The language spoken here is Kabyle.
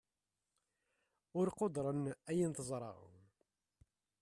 ur quddren ayen teẓṛa